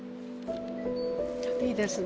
いいですね